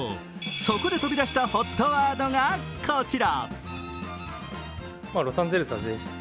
そこで飛び出したＨＯＴワードがこちら。